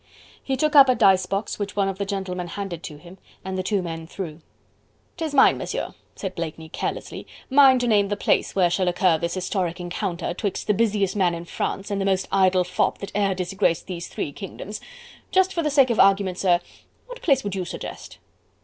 He took up a dice box which one of the gentlemen handed to him and the two men threw. "'Tis mine, Monsieur," said Blakeney carelessly, "mine to name the place where shall occur this historic encounter, 'twixt the busiest man in France and the most idle fop that e'er disgraced these three kingdoms.... Just for the sake of argument, sir, what place would you suggest?"